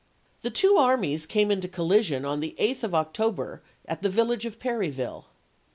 The two armies came into collision on the 8th of October at the village of Perryville.